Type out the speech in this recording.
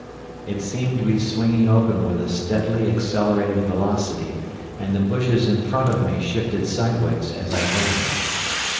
It seemed to be swinging open with a steadily accelerated velocity, and the bushes in front of me shifted sideways as I ran.